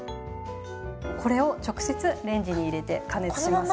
これを直接レンジに入れて加熱します。